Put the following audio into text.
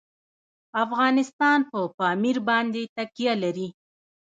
افغانستان په پامیر باندې تکیه لري.